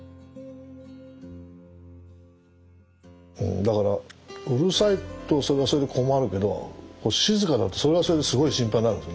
だからうるさいとそれはそれで困るけど静かだとそれはそれですごい心配になるんですよね。